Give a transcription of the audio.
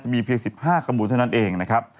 จะมีเพียงสิบห้ากระบวนเท่านั้นเองนะครับ